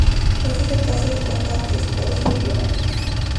Este es el caso de cantantes, por ejemplo.